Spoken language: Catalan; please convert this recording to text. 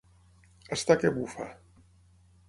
Estar que bufa.